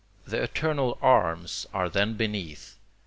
The eternal arms are then beneath.